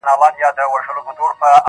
زه.